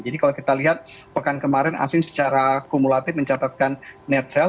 jadi kalau kita lihat pekan kemarin asing secara kumulatif mencatatkan net sale